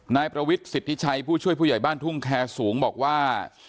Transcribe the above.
นายประวิทย์สิทธิชัยผู้ช่วยผู้ใหญ่บ้านทุ่งแคสูงบอกว่า